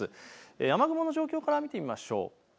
雨雲の状況から見ましょう。